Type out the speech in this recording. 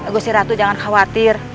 gusti ratu jangan khawatir